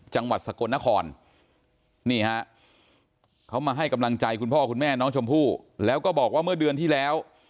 จังหวัดสกลนครนี่ฮะเขามาให้กำลังใจคุณพ่อคุณแม่น้องชมพู่แล้วก็บอกว่าเมื่อเดือนที่แล้ว